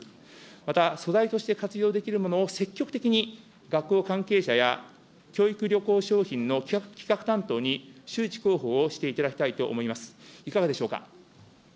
また、素材として活用できるものを積極的に学校関係者や教育旅行商品の企画担当に周知、広報をしていただきたいと思います。